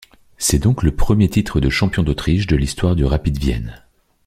C'est donc le premier titre de champion d'Autriche de l'histoire du Rapid Vienne.